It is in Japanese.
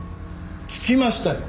聞きましたよ！